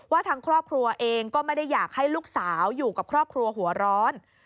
ทางครอบครัวเองก็ไม่ได้อยากให้ลูกสาวอยู่กับครอบครัวหัวร้อน